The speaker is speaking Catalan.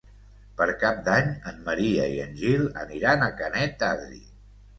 Per Cap d'Any en Maria i en Gil aniran a Canet d'Adri.